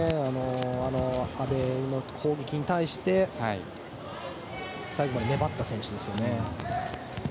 阿部の攻撃に対して最後まで粘った選手ですよね。